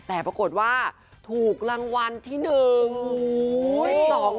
แต่ปรากฏว่าถูกรางวัลที่หนึ่ง